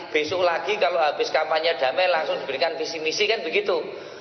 besok lagi kalau habis kampanye damai langsung diberikan visi misi kan begitu